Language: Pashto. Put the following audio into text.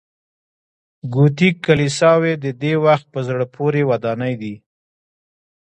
ګوتیک کلیساوې د دې وخت په زړه پورې ودانۍ دي.